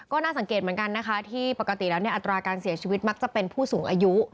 ก็น่าสังเกตเหมือนกันนะคะที่ปกติแล้วอัตราการเสียชีวิตมักจะเป็นผู้สูงอายุ